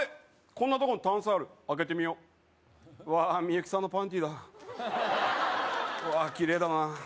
こんなとこにタンスある開けてみようわミユキさんのパンティーだうわキレイだな